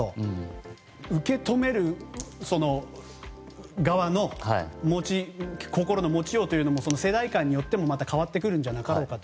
受け止める側の心の持ちようというのも世代間によっても違ってくるんじゃなかろうかと。